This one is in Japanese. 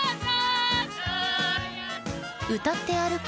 歌って歩く